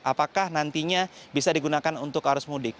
apakah nantinya bisa digunakan untuk arus mudik